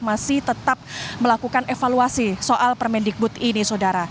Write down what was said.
masih tetap melakukan evaluasi soal permendikbud ini saudara